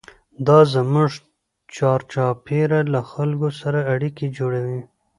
دا زموږ چارچاپېره له خلکو سره اړیکې جوړوي.